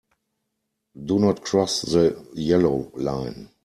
Do not cross the yellow line.